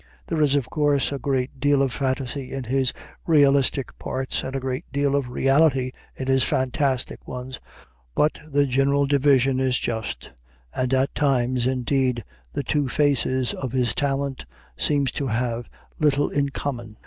There is of course a great deal of fantasy in his realistic parts and a great deal of reality in his fantastic ones, but the general division is just; and at times, indeed, the two faces of his talent seem to have little in common.